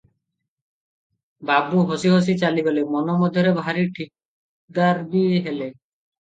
ବାବୁ ହସି ହସି ଚାଲିଗଲେ, ମନ ମଧ୍ୟରେ ଭାରି ଦିକ୍ଦାର ବି ହେଲେ ।